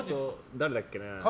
誰だっけな。